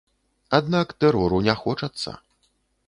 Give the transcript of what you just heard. Аднак тэрору не хочацца.